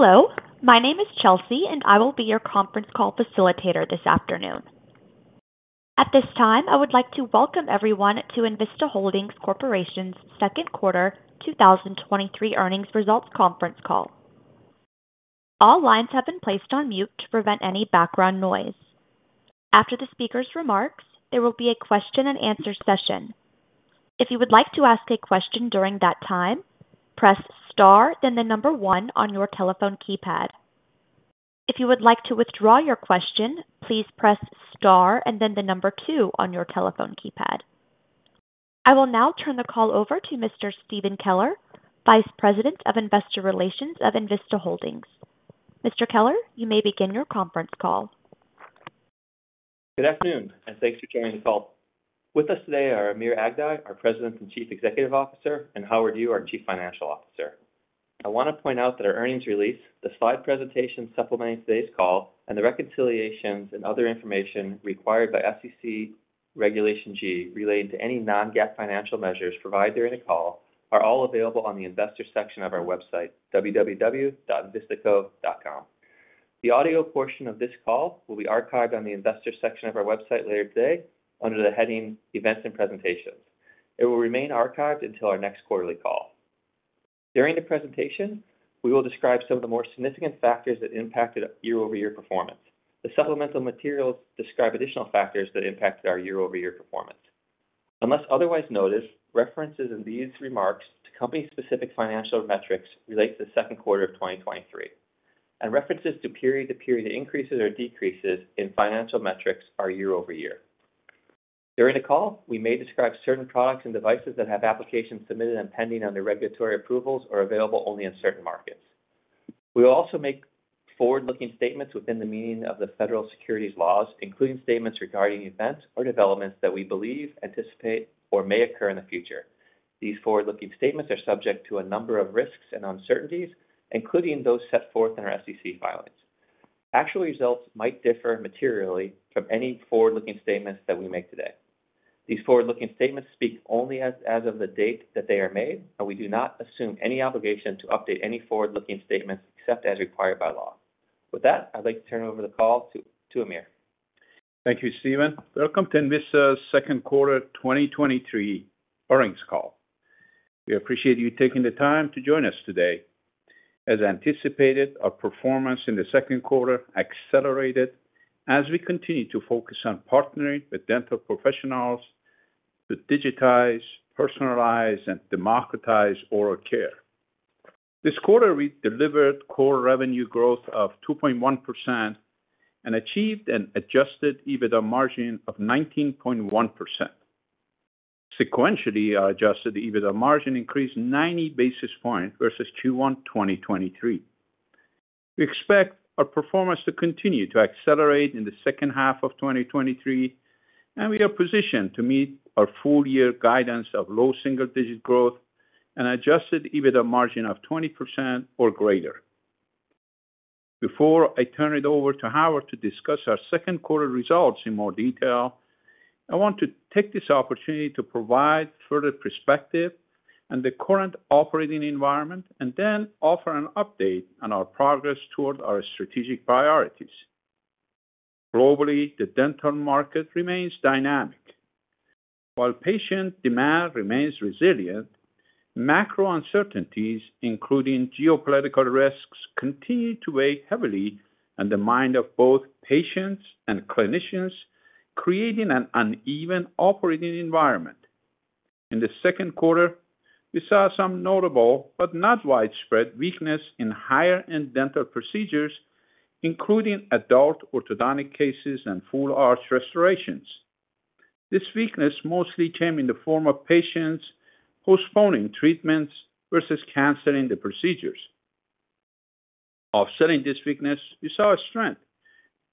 Hello, my name is Chelsea, and I will be your conference call facilitator this afternoon. At this time, I would like to welcome everyone to Envista Holdings Corporation's second quarter 2023 earnings results conference call. All lines have been placed on mute to prevent any background noise. After the speaker's remarks, there will be a question-and-answer session. If you would like to ask a question during that time, press star, then one on your telephone keypad. If you would like to withdraw your question, please press star and then two on your telephone keypad. I will now turn the call over to Mr. Stephen Keller, Vice President of Investor Relations of Envista Holdings. Mr. Keller, you may begin your conference call. Good afternoon. Thanks for joining the call. With us today are Amir Aghdaei, our President and Chief Executive Officer, and Howard Yu, our Chief Financial Officer. I want to point out that our earnings release, the slide presentation supplementing today's call, and the reconciliations and other information required by SEC Regulation G relating to any non-GAAP financial measures provided during the call are all available on the investor section of our website, www.envistaco.com. The audio portion of this call will be archived on the investor section of our website later today under the heading Events & Presentations. It will remain archived until our next quarterly call. During the presentation, we will describe some of the more significant factors that impacted year-over-year performance. The supplemental materials describe additional factors that impacted our year-over-year performance. Unless otherwise noticed, references in these remarks to company-specific financial metrics relate to the second quarter of 2023, and references to period-to-period increases or decreases in financial metrics are year-over-year. During the call, we may describe certain products and devices that have applications submitted and pending under regulatory approvals or available only in certain markets. We will also make forward-looking statements within the meaning of the federal securities laws, including statements regarding events or developments that we believe, anticipate, or may occur in the future. These forward-looking statements are subject to a number of risks and uncertainties, including those set forth in our SEC filings. Actual results might differ materially from any forward-looking statements that we make today. These forward-looking statements speak only as of the date that they are made. We do not assume any obligation to update any forward-looking statements except as required by law. With that, I'd like to turn over the call to Amir. Thank you, Stephen. Welcome to Envista's second quarter 2023 earnings call. We appreciate you taking the time to join us today. As anticipated, our performance in the second quarter accelerated as we continue to focus on partnering with dental professionals to digitize, personalize, and democratize oral care. This quarter, we delivered core revenue growth of 2.1% and achieved an adjusted EBITDA margin of 19.1%. Sequentially, our adjusted EBITDA margin increased 90 basis points versus Q1 2023. We expect our performance to continue to accelerate in the second half of 2023, and we are positioned to meet our full year guidance of low single-digit growth and adjusted EBITDA margin of 20% or greater. Before I turn it over to Howard to discuss our second quarter results in more detail, I want to take this opportunity to provide further perspective on the current operating environment and then offer an update on our progress toward our strategic priorities. Globally, the dental market remains dynamic. While patient demand remains resilient, macro uncertainties, including geopolitical risks, continue to weigh heavily on the mind of both patients and clinicians, creating an uneven operating environment. In the second quarter, we saw some notable but not widespread weakness in higher-end dental procedures, including adult orthodontic cases and full-arch restorations. This weakness mostly came in the form of patients postponing treatments versus canceling the procedures. Offsetting this weakness, we saw a strength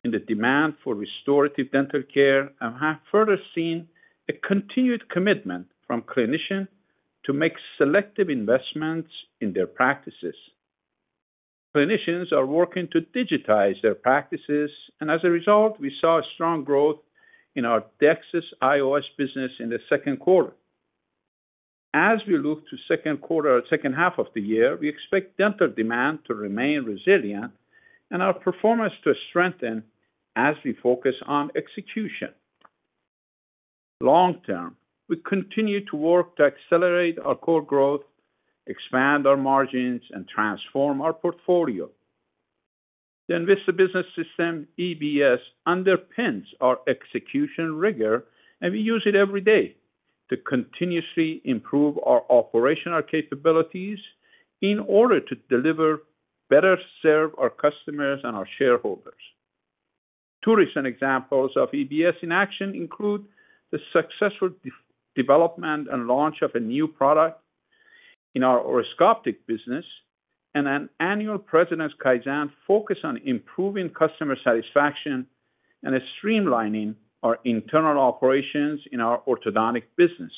in the demand for restorative dental care and have further seen a continued commitment from clinicians to make selective investments in their practices. Clinicians are working to digitize their practices, and as a result, we saw a strong growth in our DEXIS IOS business in the second quarter. As we look to second quarter or second half of the year, we expect dental demand to remain resilient and our performance to strengthen as we focus on execution. Long term, we continue to work to accelerate our core growth, expand our margins, and transform our portfolio. The Envista Business System, EBS, underpins our execution rigor, and we use it every day to continuously improve our operational capabilities in order to deliver better serve our customers and our shareholders. Two recent examples of EBS in action include the successful development and launch of a new product in our Orascoptic business and an annual President's Kaizen focused on improving customer satisfaction and streamlining our internal operations in our orthodontic business.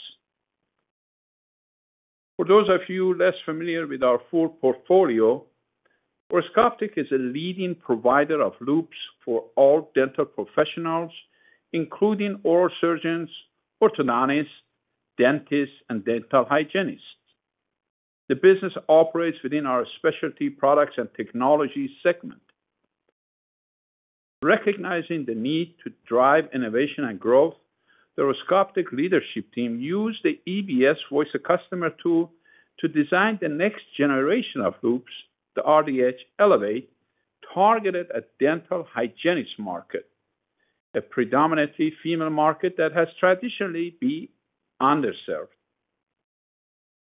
For those of you less familiar with our full portfolio, Orascoptic is a leading provider of loupes for all dental professionals, including oral surgeons, orthodontists, dentists and dental hygienists. The business operates within our Specialty Products & Technologies segment. Recognizing the need to drive innovation and growth, the Orascoptic leadership team used the EBS Voice of Customer tool to design the next generation of loupes, the RDH Elevate, targeted at dental hygienists market, a predominantly female market that has traditionally been underserved.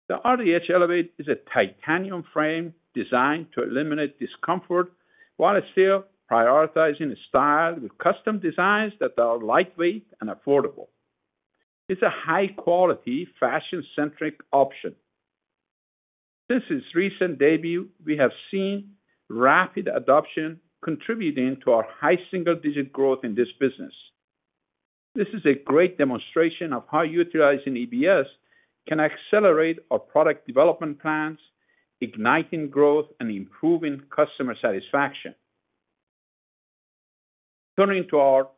The RDH Elevate is a titanium frame designed to eliminate discomfort, while still prioritizing style with custom designs that are lightweight and affordable. It's a high-quality, fashion-centric option. This is recent debut, we have seen rapid adoption, contributing to our high single-digit growth in this business. This is a great demonstration of how utilizing EBS can accelerate our product development plans, igniting growth and improving customer satisfaction. Turning to our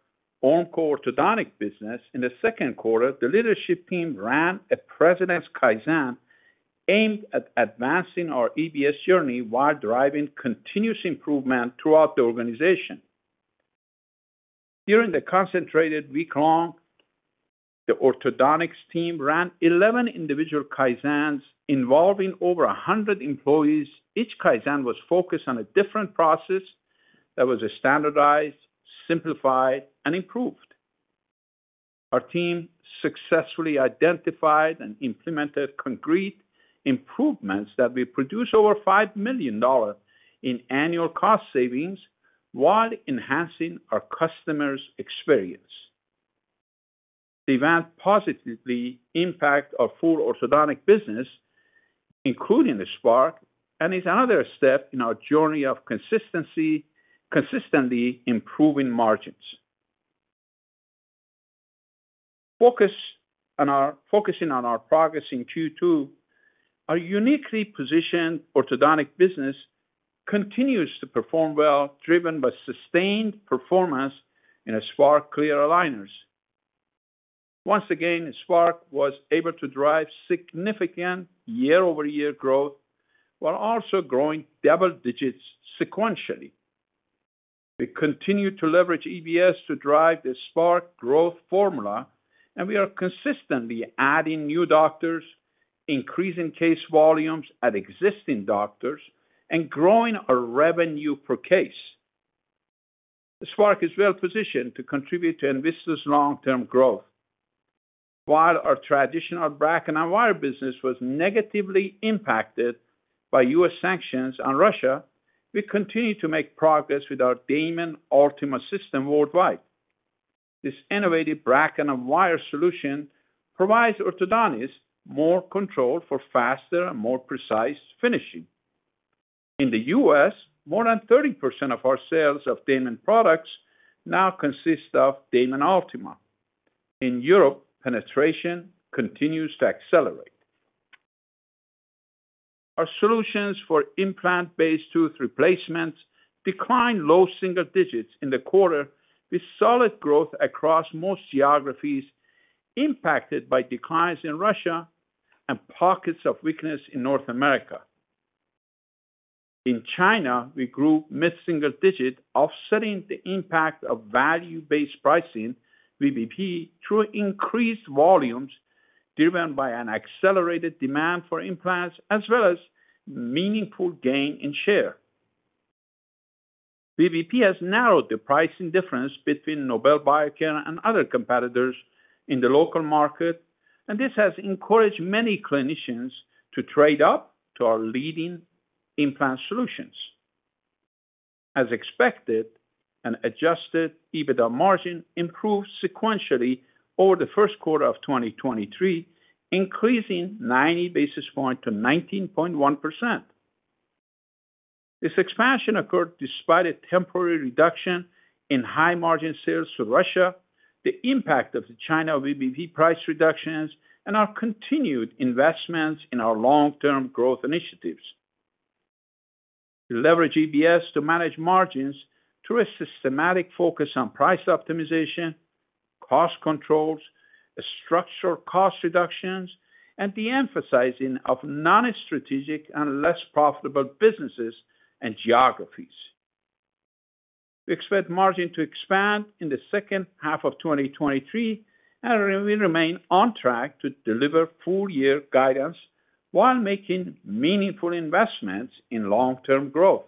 own core orthodontic business, in the second quarter, the leadership team ran a President's Kaizen aimed at advancing our EBS journey while driving continuous improvement throughout the organization. During the concentrated week-long, the orthodontics team ran 11 individual Kaizens involving over 100 employees. Each Kaizen was focused on a different process that was standardized, simplified, and improved. Our team successfully identified and implemented concrete improvements that will produce over $5 million in annual cost savings while enhancing our customers' experience. The event positively impact our full orthodontic business, including the Spark, and is another step in our journey of consistently improving margins. Focusing on our progress in Q2, our uniquely positioned orthodontic business continues to perform well, driven by sustained performance in a Spark Clear Aligners. Once again, Spark was able to drive significant year-over-year growth, while also growing double digits sequentially. We continue to leverage EBS to drive the Spark growth formula, and we are consistently adding new doctors, increasing case volumes at existing doctors, and growing our revenue per case. The Spark is well positioned to contribute to Envista's long-term growth. While our traditional bracket and wire business was negatively impacted by U.S. sanctions on Russia, we continue to make progress with our Damon Ultima System worldwide. This innovative bracket and wire solution provides orthodontists more control for faster and more precise finishing. In the U.S., more than 30% of our sales of Damon products now consist of Damon Ultima. In Europe, penetration continues to accelerate. Our solutions for implant-based tooth replacements declined low single digits in the quarter, with solid growth across most geographies, impacted by declines in Russia and pockets of weakness in North America. In China, we grew mid single digit, offsetting the impact of value-based pricing, VBP, through increased volumes, driven by an accelerated demand for implants, as well as meaningful gain in share. VBP has narrowed the pricing difference between Nobel Biocare and other competitors in the local market, and this has encouraged many clinicians to trade up to our leading implant solutions. As expected, an adjusted EBITDA margin improved sequentially over the first quarter of 2023, increasing 90 basis points to 19.1%. This expansion occurred despite a temporary reduction in high-margin sales to Russia, the impact of the China VBP price reductions, and our continued investments in our long-term growth initiatives. We leverage EBS to manage margins through a systematic focus on price optimization, cost controls, structural cost reductions, and de-emphasizing of non-strategic and less profitable businesses and geographies. We expect margin to expand in the second half of 2023, and we remain on track to deliver full-year guidance while making meaningful investments in long-term growth.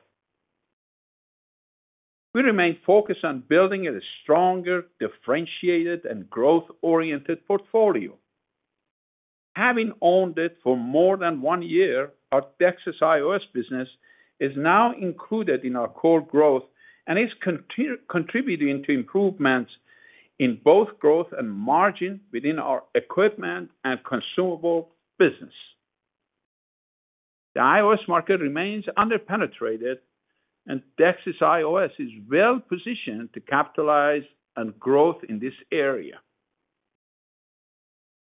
We remain focused on building a stronger, differentiated, and growth-oriented portfolio. Having owned it for more than one year, our DEXIS IOS business is now included in our core growth and is contributing to improvements in both growth and margin within our Equipment & Consumables business. The IOS market remains underpenetrated, and DEXIS IOS is well positioned to capitalize on growth in this area.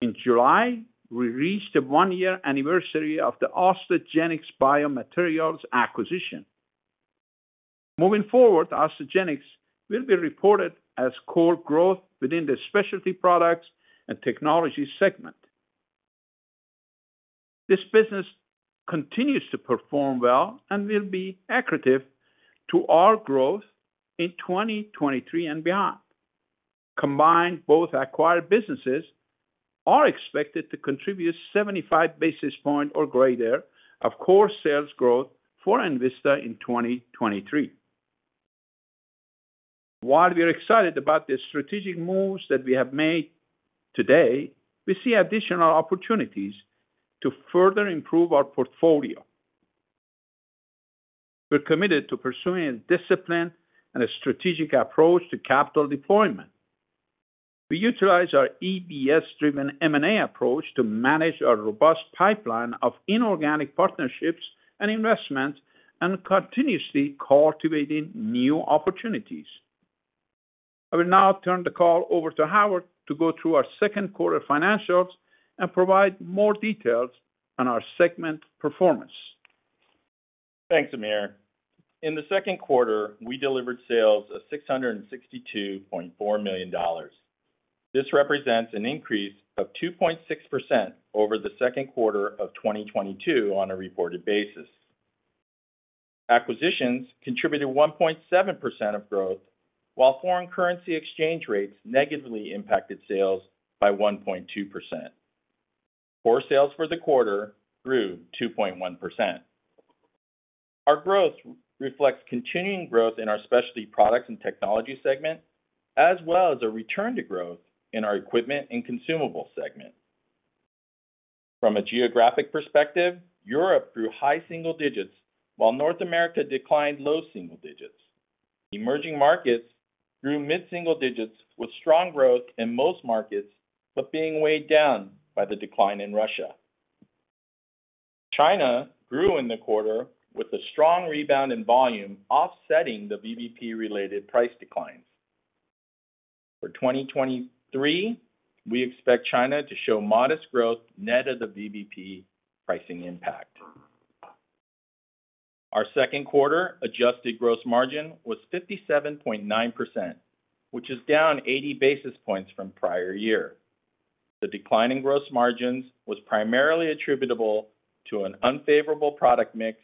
In July, we reached the 1-year anniversary of the Osteogenics Biomedical acquisition. Moving forward, Osteogenics will be reported as core growth within the Specialty Products & Technologies segment. This business continues to perform well and will be accretive to our growth in 2023 and beyond. Combined, both acquired businesses are expected to contribute 75 basis point or greater of core sales growth for Envista in 2023. While we are excited about the strategic moves that we have made today, we see additional opportunities to further improve our portfolio. We're committed to pursuing a disciplined and a strategic approach to capital deployment. We utilize our EBS-driven M&A approach to manage our robust pipeline of inorganic partnerships and investments, and continuously cultivating new opportunities. I will now turn the call over to Howard to go through our second quarter financials and provide more details on our segment performance. Thanks, Amir. In the second quarter, we delivered sales of $662.4 million. This represents an increase of 2.6% over the second quarter of 2022 on a reported basis. Acquisitions contributed 1.7% of growth, while foreign currency exchange rates negatively impacted sales by 1.2%. Core sales for the quarter grew 2.1%. Our growth reflects continuing growth in our Specialty Products & Technologies segment, as well as a return to growth in our Equipment & Consumables segment. From a geographic perspective, Europe grew high single digits, while North America declined low single digits. Emerging markets grew mid single digits, with strong growth in most markets, but being weighed down by the decline in Russia. China grew in the quarter with a strong rebound in volume, offsetting the VBP-related price declines. For 2023, we expect China to show modest growth net of the VBP pricing impact. Our second quarter adjusted gross margin was 57.9%, which is down 80 basis points from prior-year. The decline in gross margins was primarily attributable to an unfavorable product mix,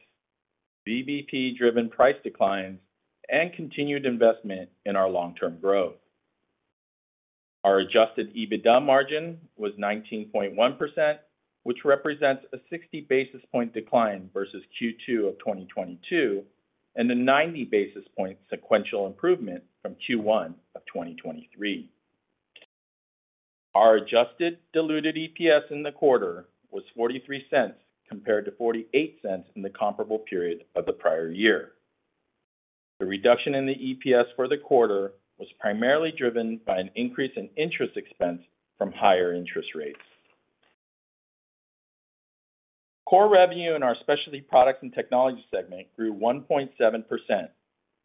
VBP-driven price declines, and continued investment in our long-term growth. Our adjusted EBITDA margin was 19.1%, which represents a 60 basis point decline versus Q2 of 2022, and a 90 basis point sequential improvement from Q1 of 2023. Our adjusted diluted EPS in the quarter was $0.43, compared to $0.48 in the comparable period of the prior-year. The reduction in the EPS for the quarter was primarily driven by an increase in interest expense from higher interest rates. Core revenue in our Specialty Products & Technologies segment grew 1.7%.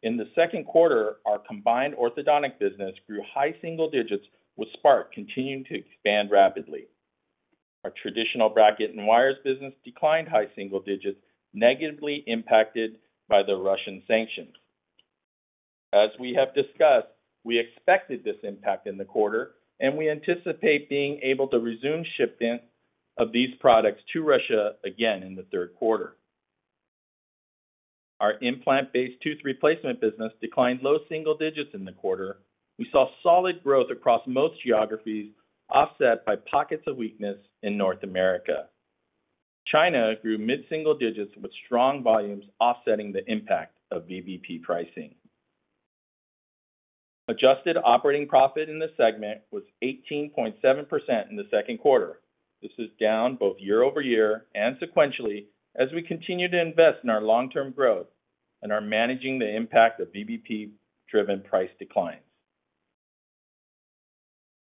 In the second quarter, our combined orthodontic business grew high single digits, with Spark continuing to expand rapidly. Our traditional bracket and wires business declined high single digits, negatively impacted by the Russian sanctions. As we have discussed, we expected this impact in the quarter, and we anticipate being able to resume shipments of these products to Russia again in the third quarter. Our implant-based tooth replacement business declined low single digits in the quarter. We saw solid growth across most geographies, offset by pockets of weakness in North America. China grew mid single digits, with strong volumes offsetting the impact of VBP pricing. Adjusted operating profit in this segment was 18.7% in the second quarter. This is down both year-over-year and sequentially, as we continue to invest in our long-term growth and are managing the impact of VBP-driven price declines.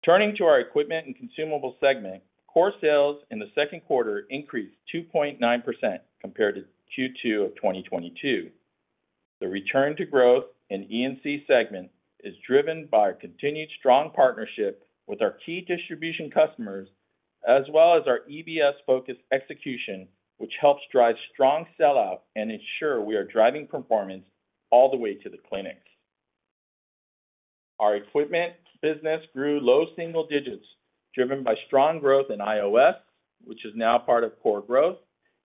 Turning to our Equipment & Consumables segment, core sales in the second quarter increased 2.9% compared to Q2 of 2022. The return to growth in E&C segment is driven by our continued strong partnership with our key distribution customers, as well as our EBS-focused execution, which helps drive strong sell-out and ensure we are driving performance all the way to the clinics. Our equipment business grew low single digits, driven by strong growth in IOS, which is now part of core growth,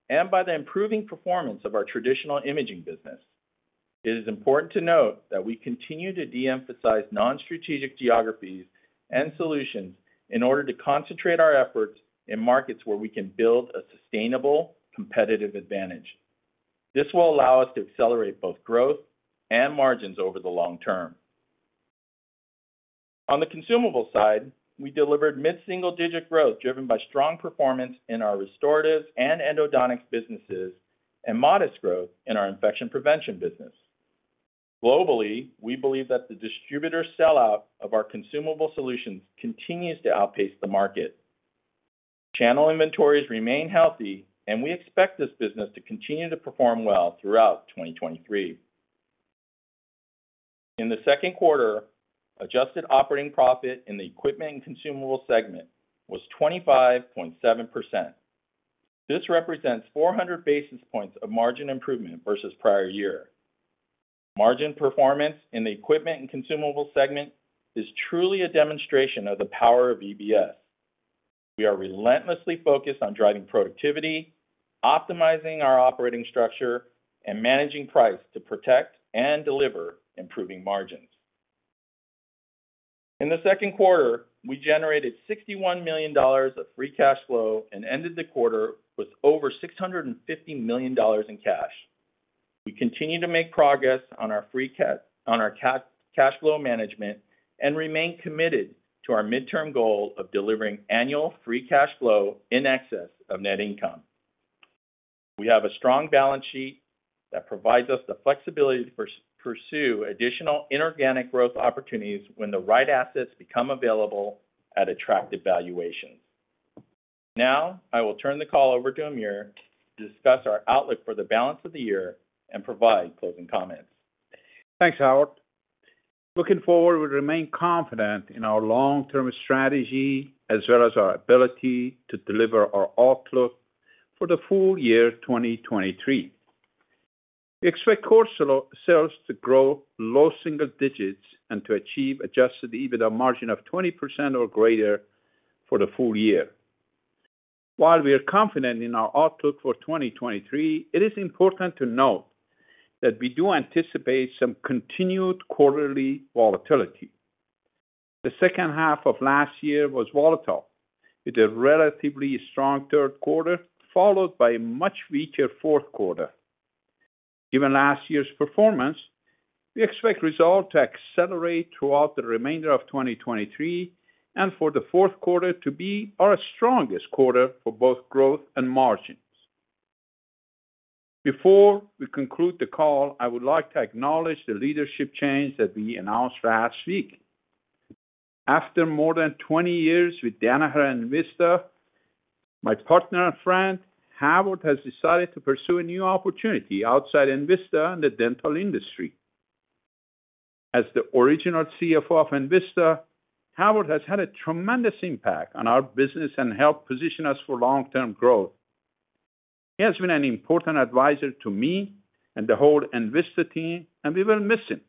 and by the improving performance of our traditional imaging business. It is important to note that we continue to de-emphasize non-strategic geographies and solutions in order to concentrate our efforts in markets where we can build a sustainable competitive advantage. This will allow us to accelerate both growth and margins over the long term. On the consumable side, we delivered mid-single-digit growth, driven by strong performance in our restorative and endodontics businesses and modest growth in our infection prevention business. Globally, we believe that the distributor sell-out of our consumable solutions continues to outpace the market. Channel inventories remain healthy, and we expect this business to continue to perform well throughout 2023. In the second quarter, adjusted operating profit in the Equipment and Consumables segment was 25.7%. This represents 400 basis points of margin improvement versus prior year. Margin performance in the Equipment and Consumables segment is truly a demonstration of the power of EBS. We are relentlessly focused on driving productivity, optimizing our operating structure, and managing price to protect and deliver improving margins. In the second quarter, we generated $61 million of free cash flow and ended the quarter with over $650 million in cash. We continue to make progress on our free cash flow management and remain committed to our midterm goal of delivering annual free cash flow in excess of net income. We have a strong balance sheet that provides us the flexibility to pursue additional inorganic growth opportunities when the right assets become available at attractive valuations. Now, I will turn the call over to Amir to discuss our outlook for the balance of the year and provide closing comments. Thanks, Howard. Looking forward, we remain confident in our long-term strategy, as well as our ability to deliver our outlook for the full year, 2023. We expect core sales to grow low single digits and to achieve adjusted EBITDA margin of 20% or greater for the full year. While we are confident in our outlook for 2023, it is important to note that we do anticipate some continued quarterly volatility. The second half of last year was volatile, with a relatively strong third quarter, followed by a much weaker fourth quarter. Given last year's performance, we expect results to accelerate throughout the remainder of 2023 and for the fourth quarter to be our strongest quarter for both growth and margins. Before we conclude the call, I would like to acknowledge the leadership change that we announced last week. After more than 20 years with Danaher and Envista, my partner and friend, Howard, has decided to pursue a new opportunity outside Envista and the dental industry. As the original CFO of Envista, Howard has had a tremendous impact on our business and helped position us for long-term growth. He has been an important advisor to me and the whole Envista team, and we will miss him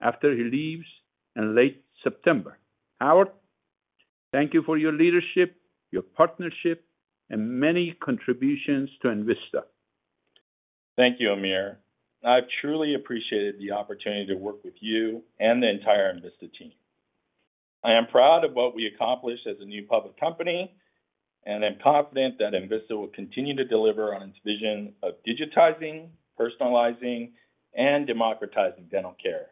after he leaves in late September. Howard, thank you for your leadership, your partnership, and many contributions to Envista. Thank you, Amir. I've truly appreciated the opportunity to work with you and the entire Envista team. I am proud of what we accomplished as a new public company, and I'm confident that Envista will continue to deliver on its vision of digitizing, personalizing, and democratizing dental care.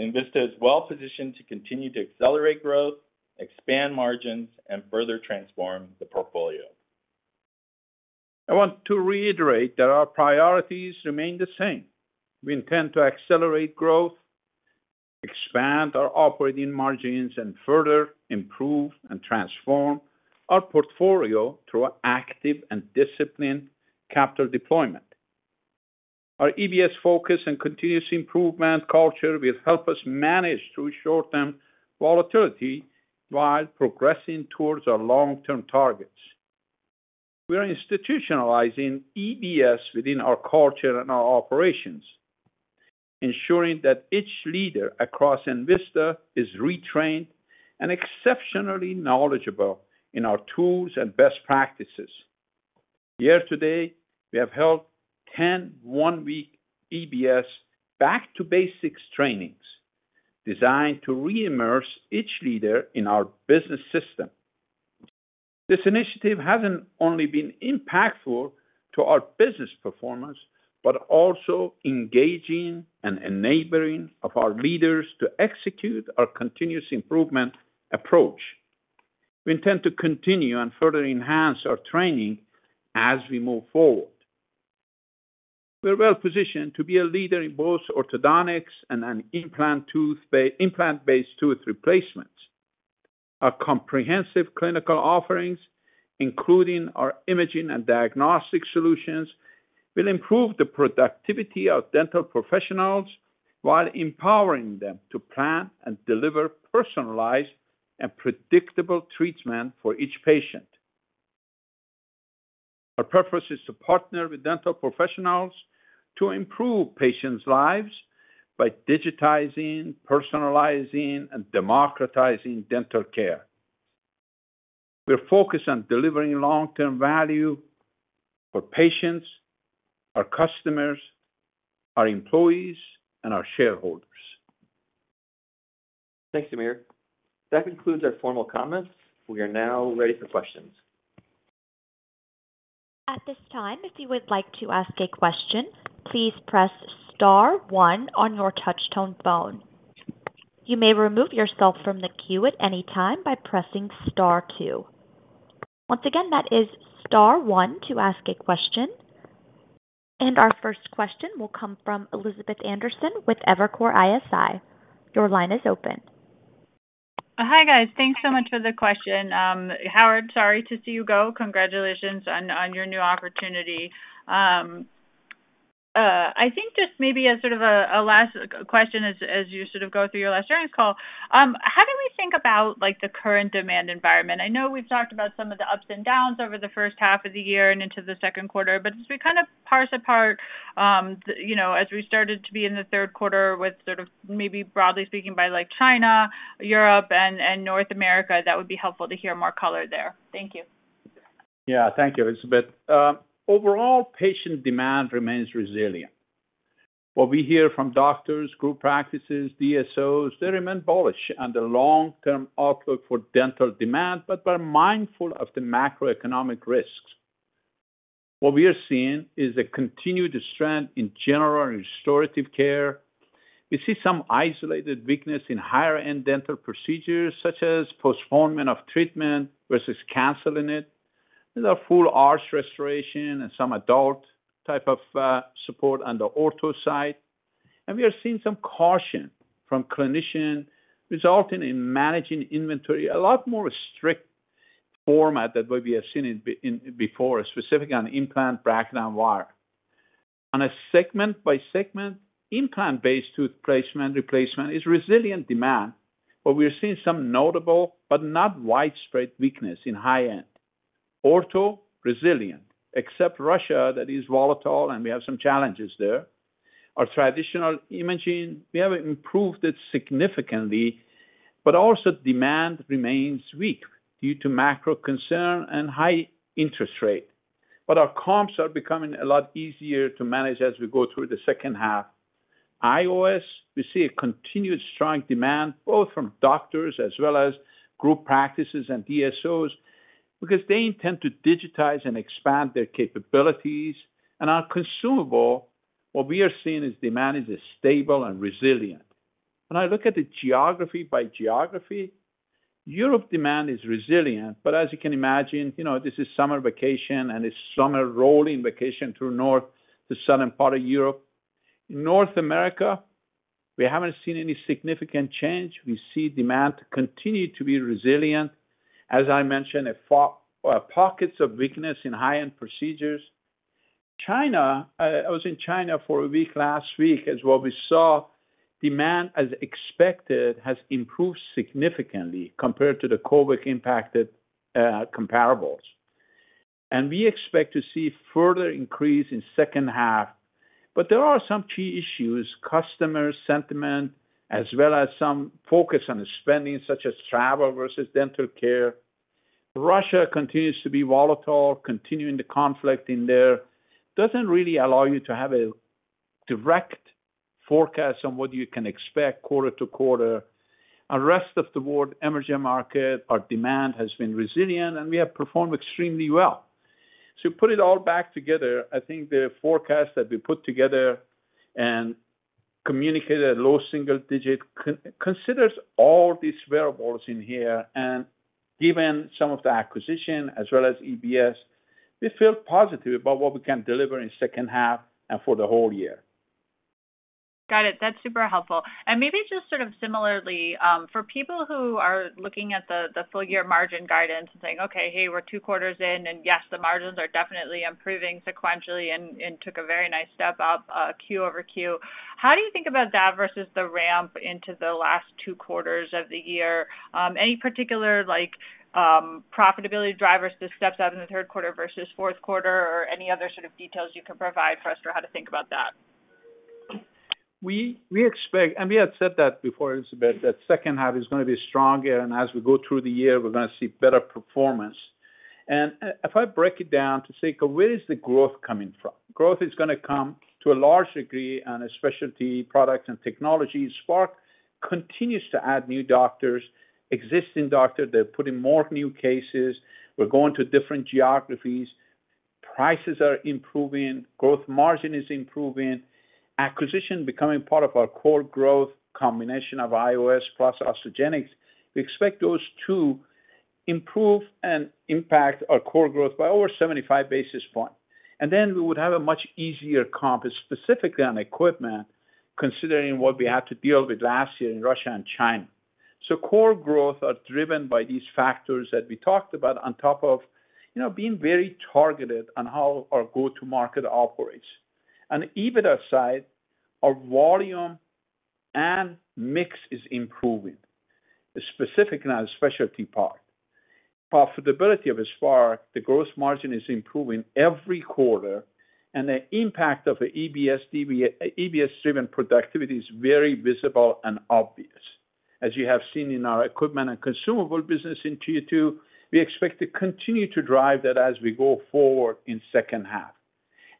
Envista is well positioned to continue to accelerate growth, expand margins, and further transform the portfolio. I want to reiterate that our priorities remain the same. We intend to accelerate growth, expand our operating margins, and further improve and transform our portfolio through active and disciplined capital deployment. Our EBS focus and continuous improvement culture will help us manage through short-term volatility while progressing towards our long-term targets. We are institutionalizing EBS within our culture and our operations, ensuring that each leader across Envista is retrained and exceptionally knowledgeable in our tools and best practices. Here today, we have held 10 one-week EBS back to basics trainings, designed to reimmerse each leader in our business system. This initiative hasn't only been impactful to our business performance, but also engaging and enabling of our leaders to execute our continuous improvement approach. We intend to continue and further enhance our training as we move forward. We're well positioned to be a leader in both orthodontics and in implant-based tooth replacements. Our comprehensive clinical offerings, including our imaging and diagnostic solutions, will improve the productivity of dental professionals while empowering them to plan and deliver personalized and predictable treatment for each patient. Our preference is to partner with dental professionals to improve patients' lives by digitizing, personalizing, and democratizing dental care. We're focused on delivering long-term value for patients, our customers, our employees, and our shareholders. Thanks, Amir. That concludes our formal comments. We are now ready for questions. At this time, if you would like to ask a question, please press star one on your touch tone phone. You may remove yourself from the queue at any time by pressing star two. Once again, that is star one to ask a question. Our first question will come from Elizabeth Anderson with Evercore ISI. Your line is open. Hi, guys. Thanks so much for the question. Howard, sorry to see you go. Congratulations on, on your new opportunity. I think just maybe as sort of a, a last question as, as you sort of go through your last earnings call, how do we think about, like, the current demand environment? I know we've talked about some of the ups and downs over the first half of the year and into the second quarter, but as we kind of parse apart, you know, as we started to be in the third quarter with sort of maybe broadly speaking, by like China, Europe and North America, that would be helpful to hear more color there. Thank you. Yeah. Thank you, Elizabeth. Overall, patient demand remains resilient. What we hear from doctors, group practices, DSOs, they remain bullish on the long-term outlook for dental demand, but we're mindful of the macroeconomic risks. What we are seeing is a continued strength in general and restorative care. We see some isolated weakness in higher-end dental procedures, such as postponement of treatment versus canceling it, and a full-arch restoration and some adult type of support on the ortho side. We are seeing some caution from clinician, resulting in managing inventory, a lot more strict format than what we have seen before, specifically on implant, bracket and wire. On a segment-by-segment, implant-based tooth placement replacement is resilient demand, but we are seeing some notable but not widespread weakness in high-end. Ortho, resilient, except Russia, that is volatile, and we have some challenges there. Our traditional imaging, we have improved it significantly, also demand remains weak due to macro concern and high interest rate. Our comps are becoming a lot easier to manage as we go through the second half. IOS, we see a continued strong demand, both from doctors as well as group practices and DSOs, because they intend to digitize and expand their capabilities. Our consumable, what we are seeing is demand is stable and resilient. When I look at the geography by geography, Europe demand is resilient, but as you can imagine, you know, this is summer vacation, and it's summer rolling vacation to north, to southern part of Europe. In North America, we haven't seen any significant change. We see demand continue to be resilient. As I mentioned, a fa- pockets of weakness in higher-end dental procedures. China, I was in China for a week last week, as what we saw, demand as expected, has improved significantly compared to the COVID-impacted comparables. We expect to see further increase in second half. There are some key issues, customer sentiment, as well as some focus on spending, such as travel versus dental care. Russia continues to be volatile. Continuing the conflict in there doesn't really allow you to have a direct forecast on what you can expect quarter to quarter. Rest of the world, emerging market, our demand has been resilient, and we have performed extremely well. Put it all back together, I think the forecast that we put together and communicated at low single digit considers all these variables in here, and given some of the acquisition as well as EBS, we feel positive about what we can deliver in second half and for the whole year. Got it. That's super helpful. Maybe just sort of similarly, for people who are looking at the, the full year margin guidance and saying, "Okay, hey, we're two quarters in, and yes, the margins are definitely improving sequentially and, and took a very nice step up, Q over Q," how do you think about that versus the ramp into the last two quarters of the year? Any particular, like, profitability drivers to step up in the third quarter versus fourth quarter, or any other sort of details you can provide for us for how to think about that? We expect we had said that before, Elizabeth, that second half is going to be stronger, as we go through the year, we're going to see better performance. If I break it down to say, where is the growth coming from? Growth is going to come to a large degree on a specialty products and technologies. Spark continues to add new doctors. Existing doctors, they're putting more new cases. We're going to different geographies. Prices are improving, growth margin is improving. Acquisition becoming part of our core growth, combination of IOS plus Osteogenics. We expect those to improve and impact our core growth by over 75 basis points. Then we would have a much easier comp, specifically on equipment, considering what we had to deal with last year in Russia and China. Core growth are driven by these factors that we talked about on top of, you know, being very targeted on how our go-to market operates. On the EBITDA side, our volume and mix is improving, specifically on the specialty part. Profitability of Spark, the growth margin is improving every quarter, and the impact of the EBS-driven productivity is very visible and obvious. As you have seen in our Equipment & Consumables business in Q2, we expect to continue to drive that as we go forward in second half.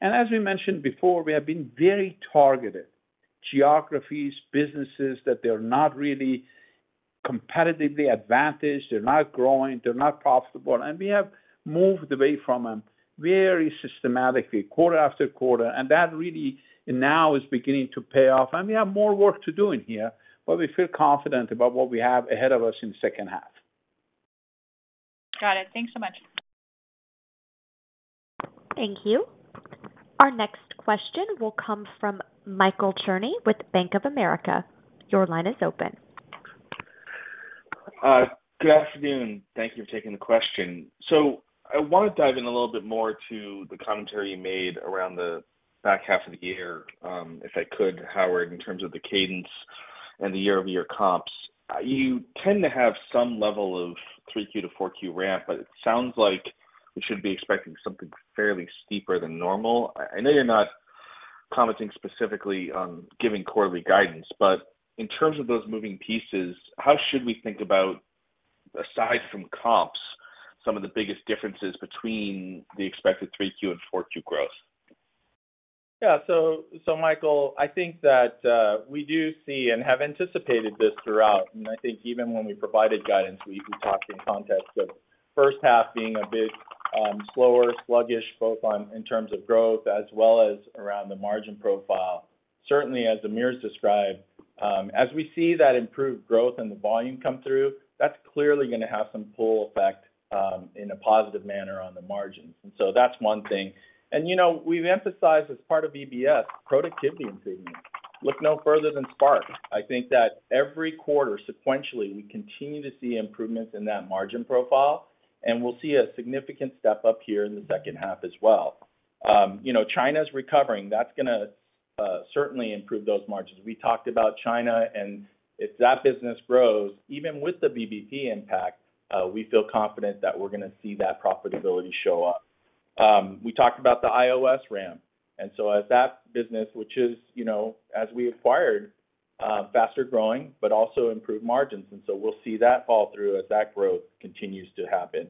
As we mentioned before, we have been very targeted. Geographies, businesses, that they're not really competitively advantaged, they're not growing, they're not profitable, and we have moved away from them very systematically, quarter after quarter, and that really now is beginning to pay off. We have more work to do in here, but we feel confident about what we have ahead of us in second half. Got it. Thanks so much. Thank you. Our next question will come from Michael Cherny with Bank of America. Your line is open. Good afternoon. Thank you for taking the question. I want to dive in a little bit more to the commentary you made around the back half of the year, if I could, Howard, in terms of the cadence and the year-over-year comps. You tend to have some level of 3Q-4Q ramp, but it sounds like we should be expecting something fairly steeper than normal. I know you're not commenting specifically on giving quarterly guidance, but in terms of those moving pieces, how should we think about, aside from comps, some of the biggest differences between the expected 3Q and 4Q growth? Yeah. So, so Michael, I think that we do see and have anticipated this throughout, and I think even when we provided guidance, we, we talked in context of first half being a bit slower, sluggish, both on, in terms of growth as well as around the margin profile. Certainly, as Amir described, as we see that improved growth and the volume come through, that's clearly going to have some pull effect in a positive manner on the margins. So that's one thing. You know, we've emphasized as part of EBS, productivity improvement. Look no further than Spark. I think that every quarter, sequentially, we continue to see improvements in that margin profile, and we'll see a significant step up here in the second half as well. You know, China's recovering. That's gonna certainly improve those margins. We talked about China. If that business grows, even with the VBP impact, we feel confident that we're going to see that profitability show up. We talked about the IOS ramp. As that business, which is, you know, as we acquired, faster growing, but also improved margins, we'll see that fall through as that growth continues to happen.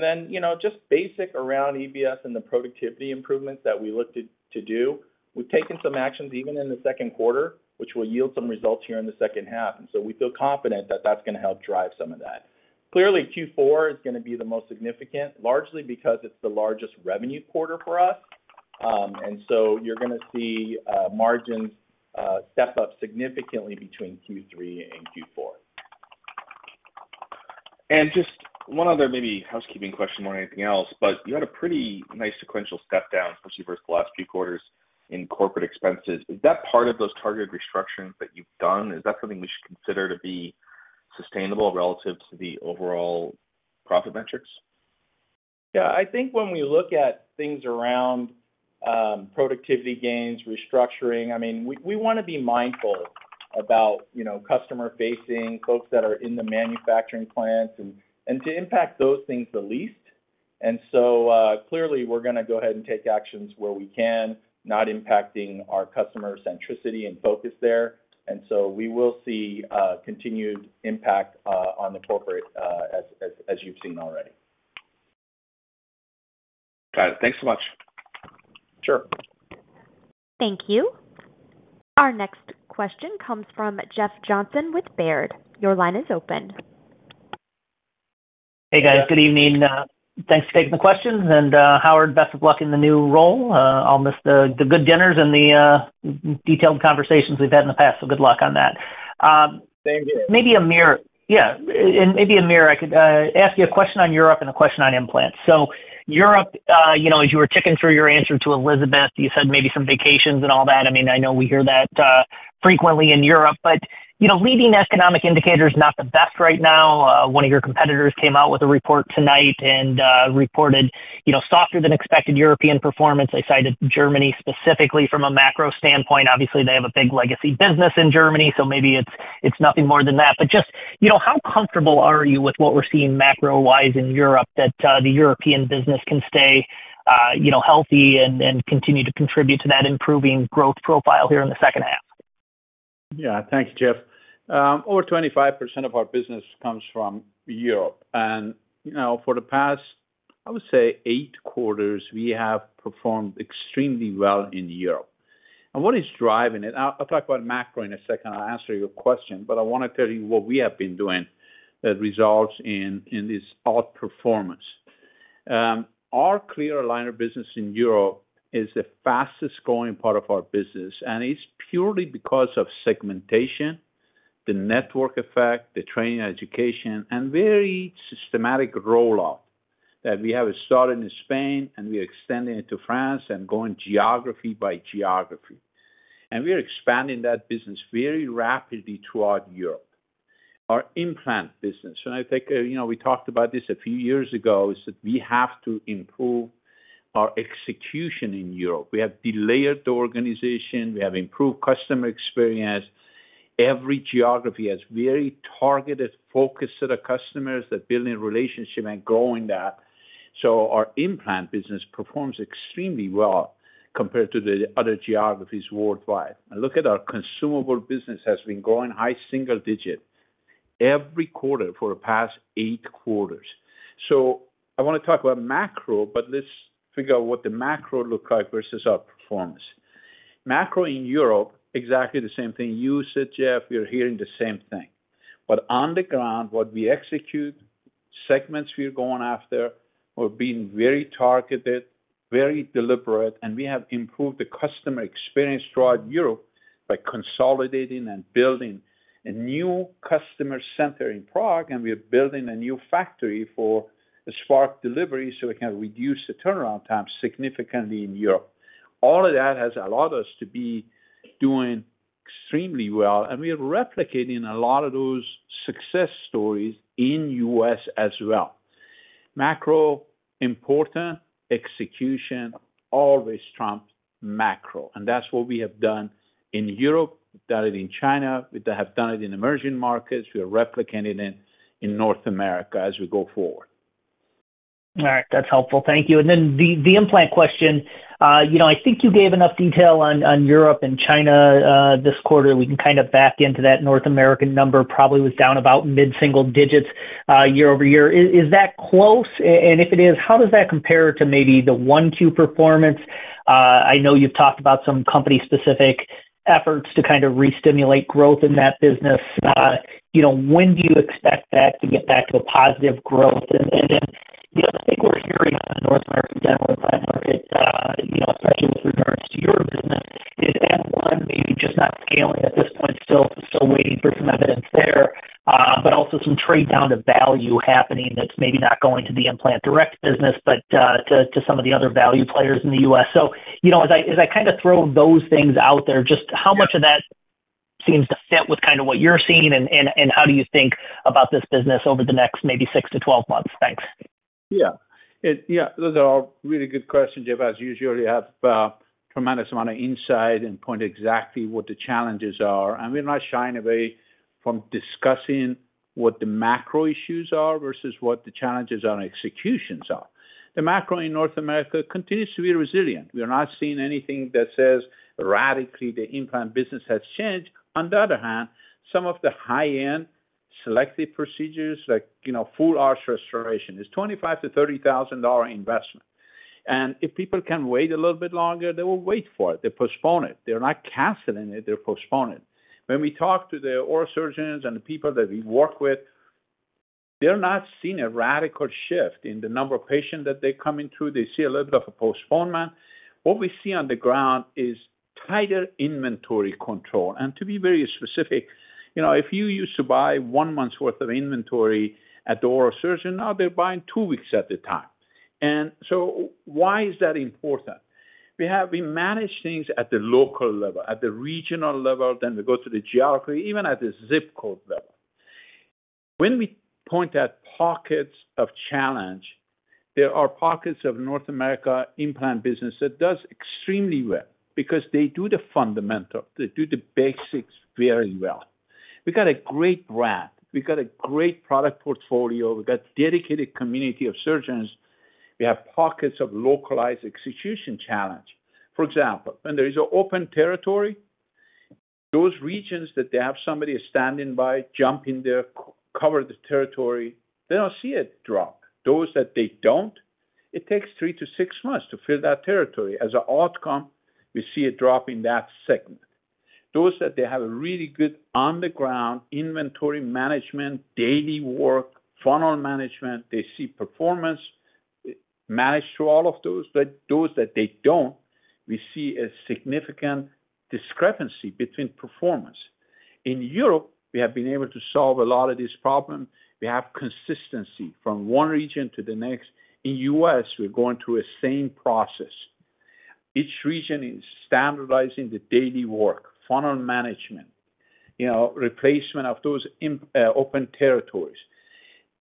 Then, you know, just basic around EBS and the productivity improvements that we looked at to do. We've taken some actions even in the second quarter, which will yield some results here in the second half. We feel confident that that's going to help drive some of that. Clearly, Q4 is going to be the most significant, largely because it's the largest revenue quarter for us. So you're going to see margins step up significantly between Q3 and Q4. Just one other maybe housekeeping question more than anything else, but you had a pretty nice sequential step down versus the last few quarters in corporate expenses. Is that part of those targeted restructurings that you've done? Is that something we should consider to be sustainable relative to the overall profit metrics? Yeah. I think when we look at things around, productivity gains, restructuring, I mean, we, we want to be mindful about, you know, customer-facing, folks that are in the manufacturing plants and, and to impact those things the least. Clearly, we're going to go ahead and take actions where we can, not impacting our customer centricity and focus there. We will see continued impact on the corporate as, as, as you've seen already. Got it. Thanks so much. Sure. Thank you. Our next question comes from Jeff Johnson with Baird. Your line is open. Hey, guys. Good evening. Thanks for taking the questions, and, Howard, best of luck in the new role. I'll miss the, the good dinners and the, detailed conversations we've had in the past, so good luck on that. Thank you. Maybe, Amir. Yeah, maybe, Amir, I could ask you a question on Europe and a question on implants. Europe, you know, as you were ticking through your answer to Elizabeth, you said maybe some vacations and all that. I mean, I know we hear that frequently in Europe, but, you know, leading economic indicators, not the best right now. One of your competitors came out with a report tonight and reported, you know, softer than expected European performance. They cited Germany specifically from a macro standpoint. Obviously, they have a big legacy business in Germany, so maybe it's nothing more than that. Just, you know, how comfortable are you with what we're seeing macro-wise in Europe, that the European business can stay, you know, healthy and, and continue to contribute to that improving growth profile here in the second half? Yeah. Thank you, Jeff. Over 25% of our business comes from Europe, and, you know, for the past, I would say 8 quarters, we have performed extremely well in Europe. What is driving it? I, I'll talk about macro in a second. I'll answer your question, but I want to tell you what we have been doing that results in, in this outperformance. Our clear aligner business in Europe is the fastest growing part of our business, and it's purely because of segmentation, the network effect, the training, education, and very systematic rollout that we have started in Spain, and we extended it to France and going geography by geography. We are expanding that business very rapidly throughout Europe. Our implant business, and I think, you know, we talked about this a few years ago, is that we have to improve our execution in Europe. We have delayered the organization. We have improved customer experience. Every geography has very targeted focus to the customers, that building relationship and growing that. Our implant business performs extremely well compared to the other geographies worldwide. Look at our consumable business has been growing high single digit every quarter for the past 8 quarters. I want to talk about macro, but let's figure out what the macro look like versus our performance. Macro in Europe, exactly the same thing. You said, Jeff, we are hearing the same thing. On the ground, what we execute, segments we are going after, we're being very targeted, very deliberate, and we have improved the customer experience throughout Europe.... by consolidating and building a new customer center in Prague, we are building a new factory for the Spark delivery so we can reduce the turnaround time significantly in Europe. All of that has allowed us to be doing extremely well, we are replicating a lot of those success stories in U.S. as well. Macro, important. Execution always trumps macro, that's what we have done in Europe, we've done it in China, we have done it in emerging markets. We are replicating it in North America as we go forward. All right, that's helpful. Thank you. The, the implant question, you know, I think you gave enough detail on, on Europe and China, this quarter. We can kind of back into that North American number, probably was down about mid-single digits, year-over-year. Is, is that close? And if it is, how does that compare to maybe the Q1, Q2 performance? I know you've talked about some company-specific efforts to kind of restimulate growth in that business. You know, when do you expect that to get back to a positive growth? You know, the thing we're hearing on the North American dental implant market, you know, especially with regards to your business, is, M1 maybe just not scaling at this point, still waiting for some evidence there, but also some trade down to value happening that's maybe not going to the Implant Direct business, but to some of the other value players in the US. You know, as I, as I kind of throw those things out there, just how much- Yeah... of that seems to fit with kind of what you're seeing, and, and, and how do you think about this business over the next maybe six-12 months? Thanks. Yeah, yeah, those are all really good questions, Jeff. As usual, you have tremendous amount of insight and point exactly what the challenges are, and we're not shying away from discussing what the macro issues are versus what the challenges on executions are. The macro in North America continues to be resilient. We are not seeing anything that says radically, the implant business has changed. On the other hand, some of the high-end selective procedures, like, you know, full-arch restoration, is $25,000-$30,000 investment. If people can wait a little bit longer, they will wait for it. They postpone it. They're not canceling it. They postpone it. When we talk to the oral surgeons and the people that we work with, they're not seeing a radical shift in the number of patients that they're coming to. They see a little bit of a postponement. What we see on the ground is tighter inventory control, and to be very specific, you know, if you used to buy one month's worth of inventory at the oral surgeon, now they're buying two weeks at a time. So why is that important? We manage things at the local level, at the regional level, then we go to the geography, even at the zip code level. When we point at pockets of challenge, there are pockets of North America implant business that does extremely well because they do the fundamental, they do the basics very well. We've got a great brand, we've got a great product portfolio, we've got dedicated community of surgeons. We have pockets of localized execution challenge. For example, when there is an open territory, those regions that they have somebody standing by, jump in there, co-cover the territory, they don't see a drop. Those that they don't, it takes three-six months to fill that territory. As an outcome, we see a drop in that segment. Those that they have a really good on-the-ground inventory management, daily work, funnel management, they see performance managed through all of those. Those that they don't, we see a significant discrepancy between performance. In Europe, we have been able to solve a lot of this problem. We have consistency from one region to the next. In US, we're going through a same process. Each region is standardizing the daily work, funnel management, you know, replacement of those open territories.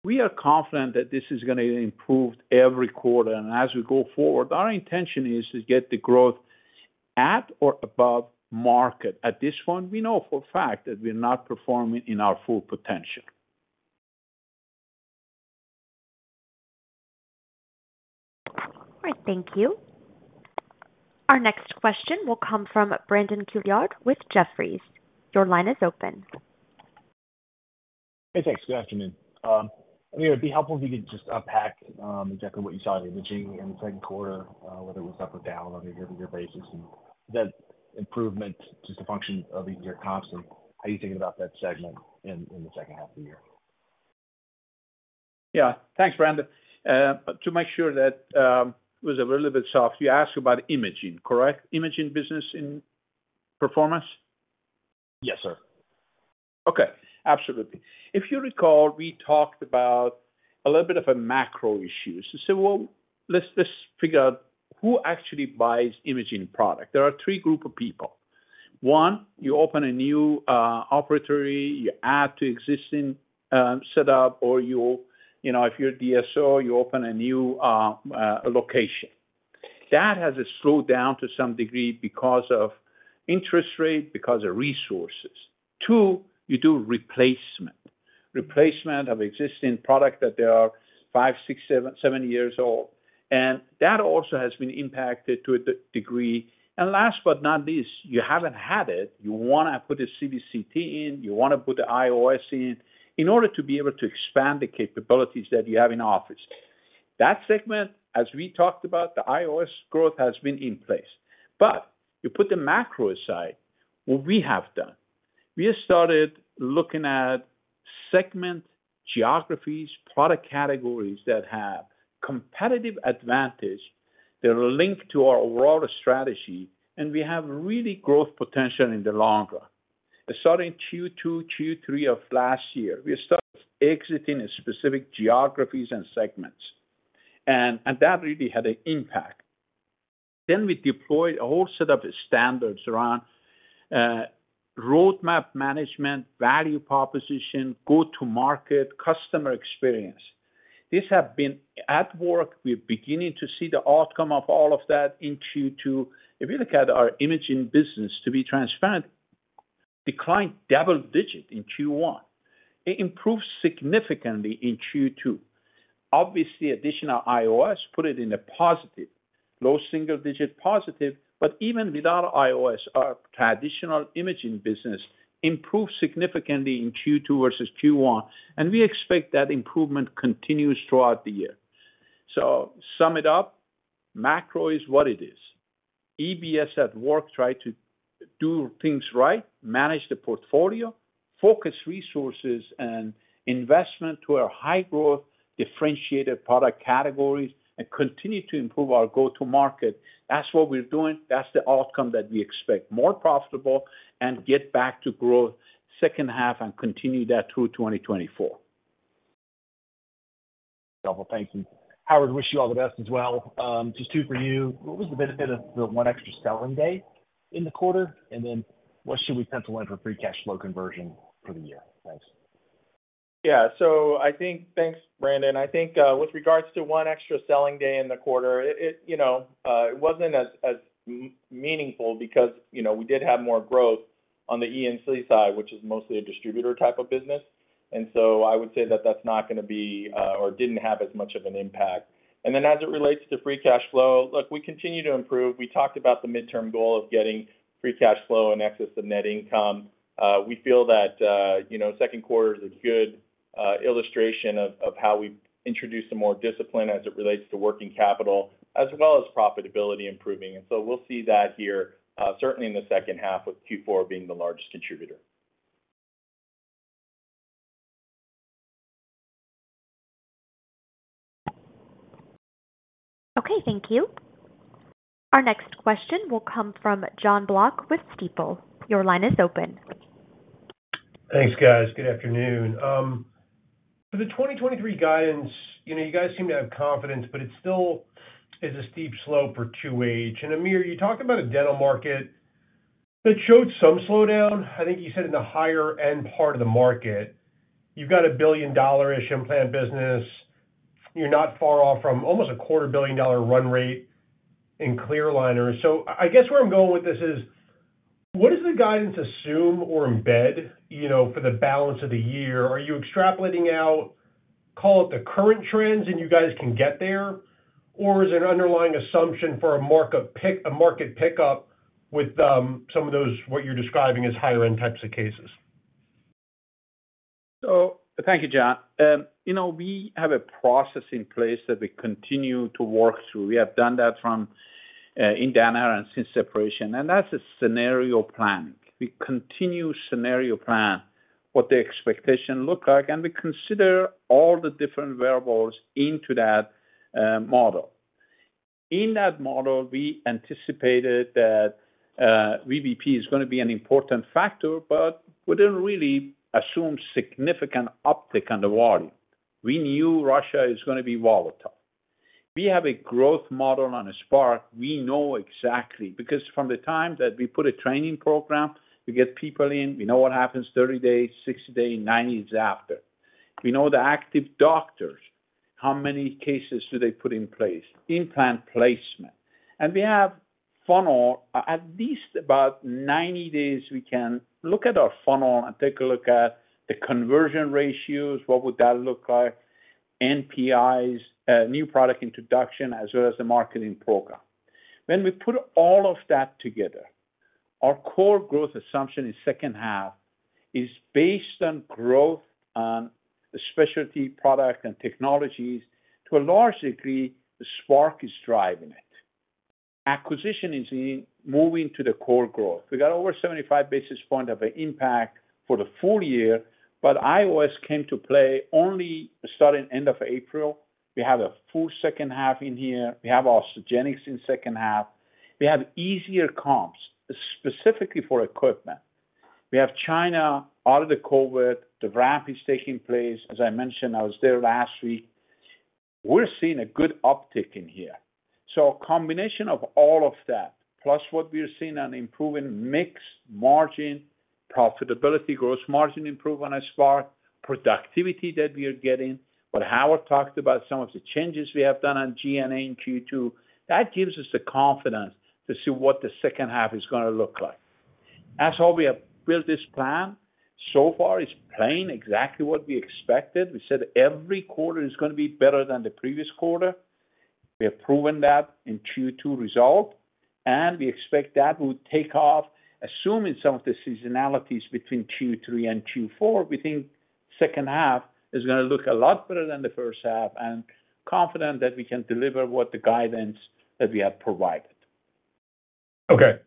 We are confident that this is going to improve every quarter, and as we go forward, our intention is to get the growth at or above market. At this one, we know for a fact that we're not performing in our full potential. All right, thank you. Our next question will come from Brandon Couillard with Jefferies. Your line is open. Hey, thanks. Good afternoon. I mean, it would be helpful if you could just unpack exactly what you saw in imaging in the second quarter, whether it was up or down on a year-over-year basis, and that improvement, just a function of easier comps and how you thinking about that segment in the second half of the year. Yeah. Thanks, Brandon. To make sure that it was a little bit soft, you asked about imaging, correct? Imaging business in performance? Yes, sir. Okay, absolutely. If you recall, we talked about a little bit of a macro issue. Well, let's, let's figure out who actually buys imaging product. There are three group of people. one, you open a new operatory, you add to existing setup, or you, you know, if you're a DSO, you open a new location. That has slowed down to some degree because of interest rate, because of resources. two, you do replacement. Replacement of existing product that they are five, six, seven, seven years old, and that also has been impacted to a degree. Last but not least, you haven't had it. You want to put a CBCT in, you want to put the iOS in, in order to be able to expand the capabilities that you have in the office. That segment, as we talked about, the IOS growth has been in place. You put the macro aside, what we have done, we have started looking at segment, geographies, product categories that have competitive advantage. They're linked to our overall strategy, and we have really growth potential in the long run. Starting Q2, Q3 of last year, we started exiting specific geographies and segments, and that really had an impact. We deployed a whole set of standards around roadmap management, value proposition, go-to-market, customer experience. These have been at work. We're beginning to see the outcome of all of that in Q2. If you look at our imaging business, to be transparent, declined double-digit in Q1. It improved significantly in Q2. Additional IOS put it in a positive, low single-digit positive, even without IOS, our traditional imaging business improved significantly in Q2 versus Q1. We expect that improvement continues throughout the year. To sum it up, macro is what it is. EBS at work, try to do things right, manage the portfolio, focus resources and investment to our high-growth, differentiated product categories, continue to improve our go-to-market. That's what we're doing. That's the outcome that we expect. More profitable and get back to growth second half and continue that through 2024. Thank you. Howard, wish you all the best as well. Just two for you. What was the benefit of the 1 extra selling day in the quarter? What should we pencil in for free cash flow conversion for the year? Thanks. I think Thanks, Brandon. I think, with regards to one extra selling day in the quarter, you know, it wasn't as meaningful because, you know, we did have more growth on the ENC side, which is mostly a distributor type of business. I would say that that's not going to be, or didn't have as much of an impact. As it relates to free cash flow, look, we continue to improve. We talked about the midterm goal of getting free cash flow in excess of net income. We feel that, you know, second quarter is a good illustration of how we introduce some more discipline as it relates to working capital, as well as profitability improving. We'll see that here, certainly in the second half, with Q4 being the largest contributor. Okay, thank you. Our next question will come from Jon Block with Stifel. Your line is open. Thanks, guys. Good afternoon. For the 2023 guidance, you know, you guys seem to have confidence, but it still is a steep slope for 2H. Amir, you talked about a dental market that showed some slowdown. I think you said in the higher-end part of the market, you've got a $1 billion is implant business. You're not far off from almost a $250 million run rate in clear aligners. I guess where I'm going with this is, what does the guidance assume or embed, you know, for the balance of the year? Are you extrapolating out, call it the current trends, and you guys can get there? Or is it an underlying assumption for a market pickup with some of those, what you're describing as higher-end types of cases? Thank you, John. you know, we have a process in place that we continue to work through. We have done that from, in Danaher and since separation, and that's a scenario planning. We continue scenario plan, what the expectation look like, and we consider all the different variables into that model. In that model, we anticipated that VBP is going to be an important factor, but we didn't really assume significant uptick on the volume. We knew Russia is going to be volatile. We have a growth model on a Spark. We know exactly, because from the time that we put a training program, we get people in, we know what happens 30 days, 60 days, 90 days after. We know the active doctors, how many cases do they put in place, implant placement. We have funnel. At least about 90 days, we can look at our funnel and take a look at the conversion ratios, what would that look like, NPIs, new product introduction, as well as the marketing program. When we put all of that together, our core growth assumption in second half is based on growth on the Specialty Products & Technologies. To a large degree, the Spark is driving it. Acquisition is in moving to the core growth. We got over 75 basis point of an impact for the full year, but IOS came to play only starting end of April. We have a full second half in here. We have Osteogenics in second half. We have easier comps, specifically for equipment. We have China out of the COVID. The ramp is taking place. As I mentioned, I was there last week. We're seeing a good uptick in here. A combination of all of that, plus what we are seeing on improving mix, margin, profitability, gross margin improvement as far, productivity that we are getting. What Howard talked about, some of the changes we have done on G&A in Q2, that gives us the confidence to see what the second half is going to look like. That's how we have built this plan. Far, it's playing exactly what we expected. We said every quarter is going to be better than the previous quarter. We have proven that in Q2 result, and we expect that will take off, assuming some of the seasonalities between Q3 and Q4. We think second half is going to look a lot better than the first half, and confident that we can deliver what the guidance that we have provided. Okay.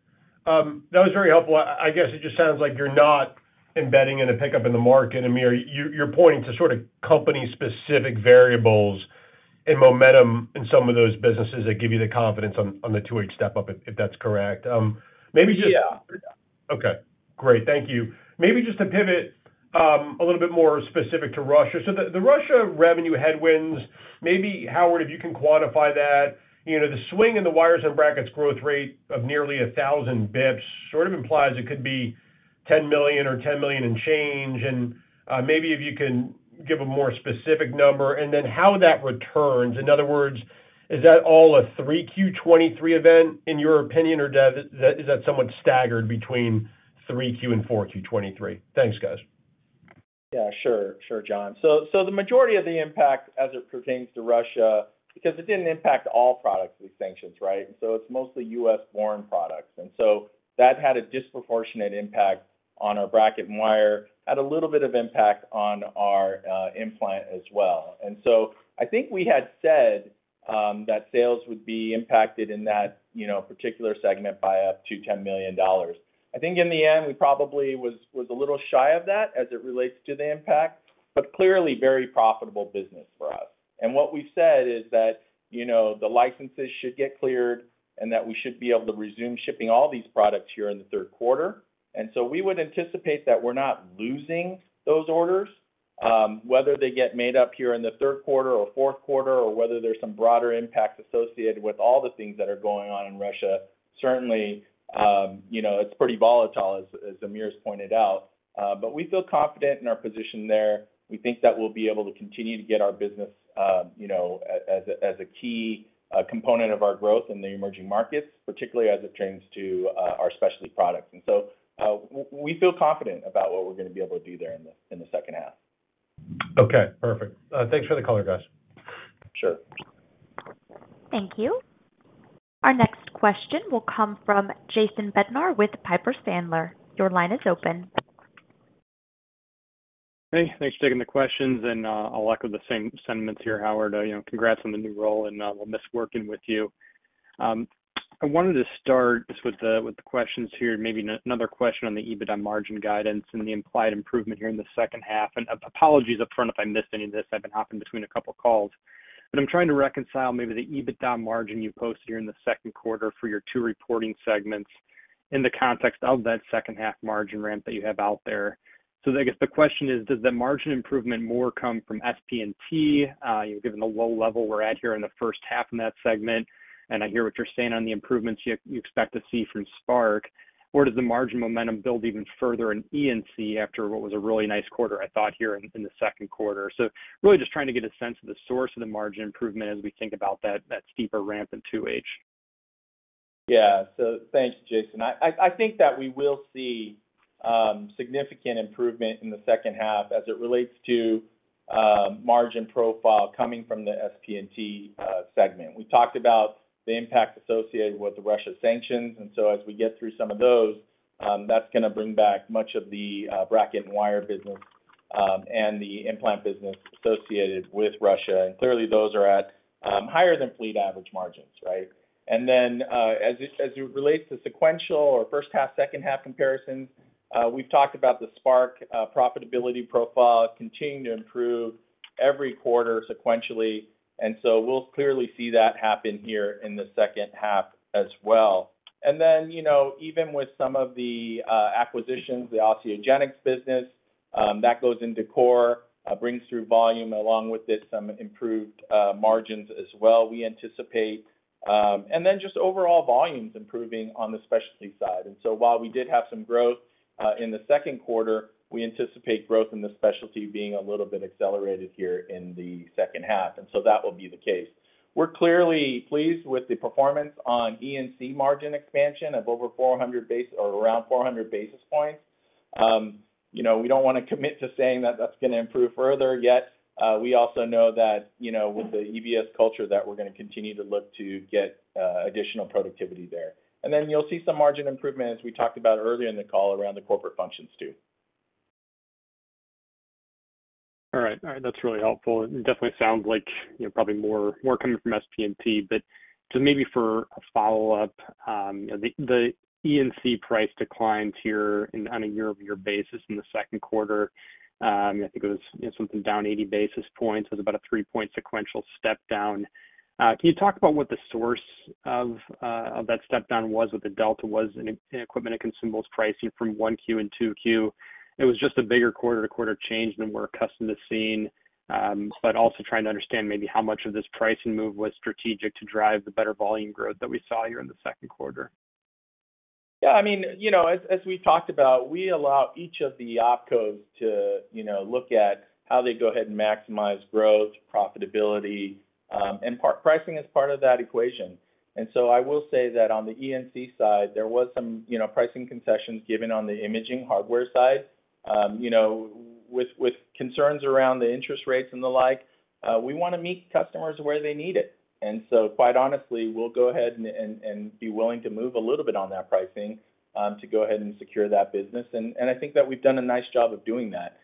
That was very helpful. I, I guess it just sounds like you're not embedding in a pickup in the market, Amir. You're, you're pointing to sort of company-specific variables and momentum in some of those businesses that give you the confidence on, on the 2H step up, if that's correct? Yeah. Okay, great. Thank you. Maybe just to pivot, a little bit more specific to Russia. The Russia revenue headwinds, maybe, Howard, if you can quantify that, you know, the swing in the wires and brackets growth rate of nearly 1,000 basis points sort of implies it could be $10 million or $10 million and change, and, maybe if you can give a more specific number, and then how that returns. In other words, is that all a 3Q in 2023 event in your opinion, or is that somewhat staggered between 3Q-4Q in 2023? Thanks, guys. Yeah, sure. Sure, John. The majority of the impact as it pertains to Russia, because it didn't impact all products, these sanctions, right? It's mostly U.S.-born products. That had a disproportionate impact on our bracket and wire. Had a little bit of impact on our implant as well. I think we had said that sales would be impacted in that, you know, particular segment by up to $10 million. I think in the end, we probably was, was a little shy of that as it relates to the impact, but clearly very profitable business for us. What we've said is that, you know, the licenses should get cleared and that we should be able to resume shipping all these products here in the third quarter. We would anticipate that we're not losing those orders, whether they get made up here in the third quarter or fourth quarter, or whether there's some broader impact associated with all the things that are going on in Russia. Certainly, you know, it's pretty volatile as Amir's pointed out, but we feel confident in our position there. We think that we'll be able to continue to get our business, you know, as a key component of our growth in the emerging markets, particularly as it pertains to our specialty products. So, we feel confident about what we're going to be able to do there in the second half. Okay, perfect. thanks for the color, guys. Sure. Thank you. Our next question will come from Jason Bednar with Piper Sandler. Your line is open. Hey, thanks for taking the questions, and a lot of the same sentiments here, Howard. You know, congrats on the new role, and we'll miss working with you. I wanted to start just with the, with the questions here, maybe another question on the EBITDA margin guidance and the implied improvement here in the second half. Apologies upfront if I missed any of this. I've been hopping between a couple of calls, but I'm trying to reconcile maybe the EBITDA margin you posted here in the second quarter for your two reporting segments in the context of that second half margin ramp that you have out there. I guess the question is, does the margin improvement more come from SP&T, given the low level we're at here in the first half in that segment? I hear what you're saying on the improvements you expect to see from Spark, or does the margin momentum build even further in E&C after what was a really nice quarter, I thought, here in, in the second quarter? Really just trying to get a sense of the source of the margin improvement as we think about that, that steeper ramp in 2H. Yeah. Thanks, Jason. I, I think that we will see significant improvement in the second half as it relates to margin profile coming from the SP&T segment. We talked about the impact associated with the Russia sanctions, and so as we get through some of those, that's going to bring back much of the bracket and wire business and the implant business associated with Russia. Clearly, those are at higher than fleet average margins, right? Then, as it, as it relates to sequential or first half, second half comparisons, we've talked about the Spark profitability profile continuing to improve every quarter sequentially, and so we'll clearly see that happen here in the second half as well. You know, even with some of the acquisitions, the Osteogenics business, that goes into core, brings through volume, along with this, some improved margins as well, we anticipate. Just overall volumes improving on the specialty side. While we did have some growth in the second quarter, we anticipate growth in the specialty being a little bit accelerated here in the second half, and so that will be the case. We're clearly pleased with the performance on E&C margin expansion of over 400 basis points. You know, we don't want to commit to saying that that's going to improve further yet. We also know that, you know, with the EBS culture, that we're going to continue to look to get additional productivity there. Then you'll see some margin improvement, as we talked about earlier in the call around the corporate functions, too. All right. All right, that's really helpful. It definitely sounds like, you know, probably more, more coming from SP&T, but so maybe for a follow-up, the E&C price declines here on a year-over-year basis in the second quarter, I think it was, you know, something down 80 basis points. It was about a three-point sequential step down. Can you talk about what the source of that step down was, what the delta was in Equipment & Consumables pricing from 1 Q and 2 Q? It was just a bigger quarter-to-quarter change than we're accustomed to seeing, but also trying to understand maybe how much of this pricing move was strategic to drive the better volume growth that we saw here in the second quarter. Yeah, I mean, you know, as, as we talked about, we allow each of the opcos to, you know, look at how they go ahead and maximize growth, profitability, and part pricing is part of that equation. So I will say that on the E&C side, there was some, you know, pricing concessions given on the imaging hardware side. You know, with, with concerns around the interest rates and the like, we want to meet customers where they need it. So quite honestly, we'll go ahead and be willing to move a little bit on that pricing, to go ahead and secure that business. I think that we've done a nice job of doing that.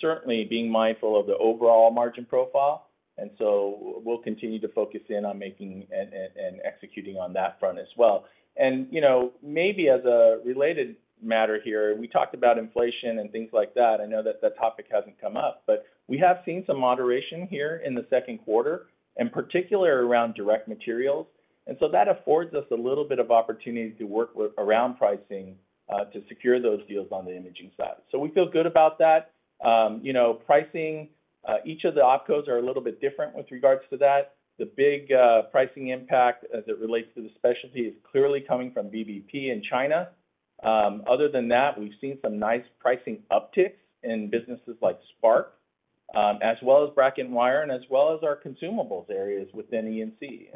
Certainly being mindful of the overall margin profile. So we'll continue to focus in on making and executing on that front as well. You know, maybe as a related matter here, we talked about inflation and things like that. I know that the topic hasn't come up, but we have seen some moderation here in the second quarter, and particularly around direct materials. So that affords us a little bit of opportunity to work with around pricing to secure those deals on the imaging side. So we feel good about that. You know, pricing, each of the opcos are a little bit different with regards to that. The big pricing impact as it relates to the Specialty is clearly coming from VBP in China. Other than that, we've seen some nice pricing upticks in businesses like Spark, as well as bracket and wire, and as well as our consumables areas within E&C.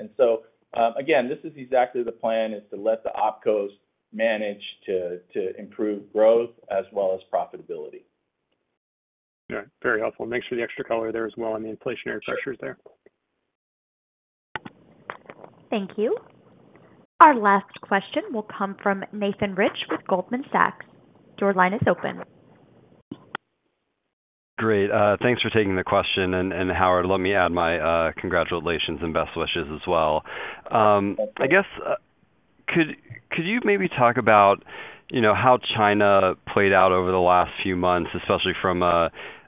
Again, this is exactly the plan, is to let the opcos manage to, to improve growth as well as profitability. Yeah, very helpful. Makes for the extra color there as well, and the inflationary pressures there. Thank you. Our last question will come from Nathan Rich with Goldman Sachs. Your line is open. Great. Thanks for taking the question, and Howard, let me add my congratulations and best wishes as well. I guess, could, could you maybe talk about how China played out over the last few months, especially from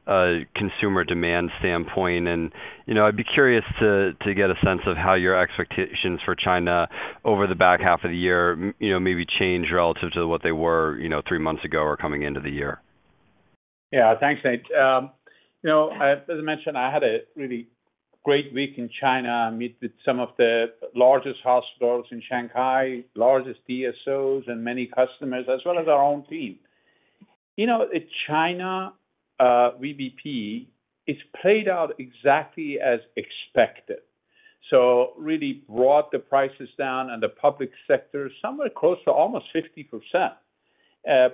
a consumer demand standpoint? I'd be curious to, to get a sense of how your expectations for China over the back half of the year, maybe change relative to what they were three months ago or coming into the year. Yeah. Thanks, Nate. You know, as I mentioned, I had a really great week in China. I met with some of the largest hospitals in Shanghai, largest DSOs and many customers, as well as our own team. You know, China, VBP, it's played out exactly as expected. really brought the prices down, and the public sector, somewhere close to almost 50%,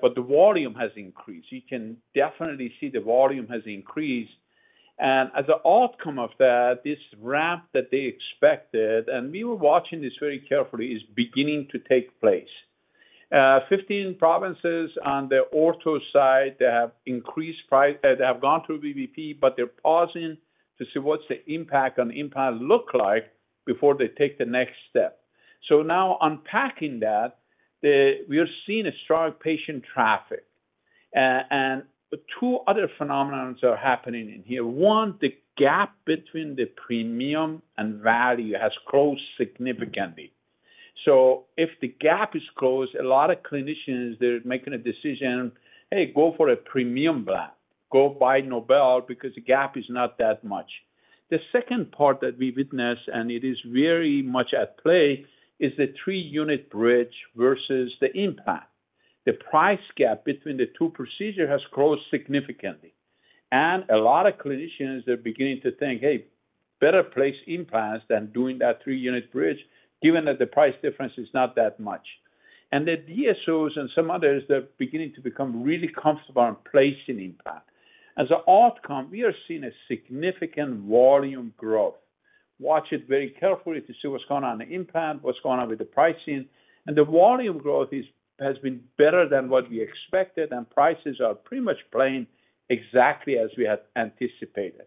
but the volume has increased. You can definitely see the volume has increased. As an outcome of that, this ramp that they expected, and we were watching this very carefully, is beginning to take place. 15 provinces on the ortho side, they have increased price, they have gone through VBP, but they're pausing to see what's the impact on the implant look like before they take the next step. Now unpacking that, we are seeing a strong patient traffic, and the two other phenomenons are happening in here. One, the gap between the premium and value has closed significantly. If the gap is closed, a lot of clinicians, they're making a decision, "Hey, go for a premium brand. Go buy Nobel, because the gap is not that much." The second part that we witnessed, and it is very much at play, is the three-unit bridge versus the implant. The price gap between the two procedure has closed significantly, and a lot of clinicians are beginning to think, "Hey, better place implants than doing that three-unit bridge, given that the price difference is not that much." The DSOs and some others, they're beginning to become really comfortable on placing implant. As an outcome, we are seeing a significant volume growth. Watch it very carefully to see what's going on in implant, what's going on with the pricing. The volume growth has been better than what we expected, and prices are pretty much playing exactly as we had anticipated.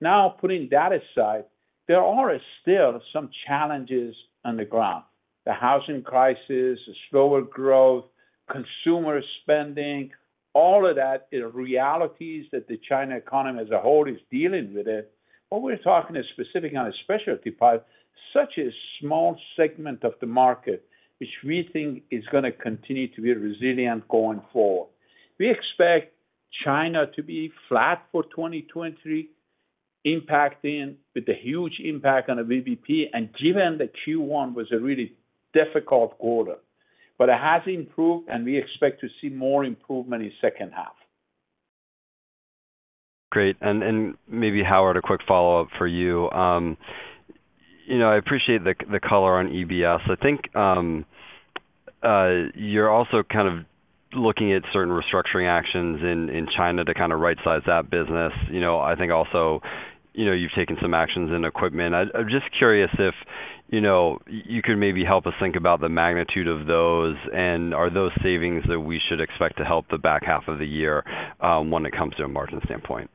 Now, putting that aside, there are still some challenges on the ground. The housing crisis, the slower growth, consumer spending, all of that is realities that the China economy as a whole is dealing with it. We're talking specifically on a specialty part, such a small segment of the market, which we think is going to continue to be resilient going forward. We expect China to be flat for 2020, impacting with the huge impact on the VBP and given that Q1 was a really difficult quarter, but it has improved, and we expect to see more improvement in second half. Great. And maybe, Howard, a quick follow-up for you. You know, I appreciate the color on EBS. I think, you're also kind of looking at certain restructuring actions in China to kind of right-size that business. You know, I think also, you know, you've taken some actions in equipment. I'm just curious if, you know, you could maybe help us think about the magnitude of those, and are those savings that we should expect to help the back half of the year when it comes to a margin standpoint?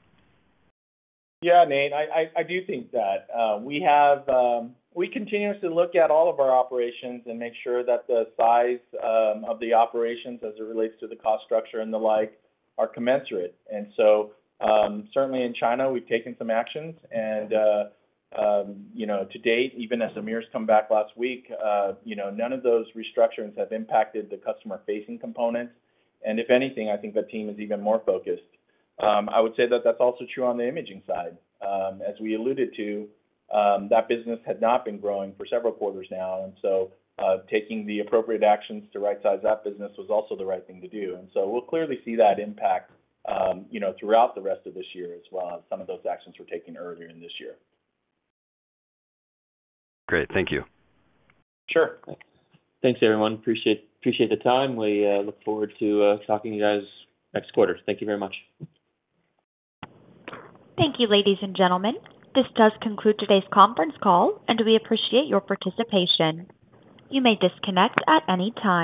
Yeah, Nate, I, I, I do think that we have, we continuously look at all of our operations and make sure that the size of the operations as it relates to the cost structure and the like, are commensurate. Certainly in China, we've taken some actions and, you know, to date, even as Amir's come back last week, you know, none of those restructurings have impacted the customer-facing components, and if anything, I think the team is even more focused. I would say that that's also true on the imaging side. As we alluded to, that business had not been growing for several quarters now. Taking the appropriate actions to rightsize that business was also the right thing to do. We'll clearly see that impact, you know, throughout the rest of this year as well. Some of those actions were taken earlier in this year. Great. Thank you. Sure. Thanks, everyone. Appreciate, appreciate the time. We look forward to talking to you guys next quarter. Thank you very much. Thank you, ladies and gentlemen. This does conclude today's conference call, and we appreciate your participation. You may disconnect at any time.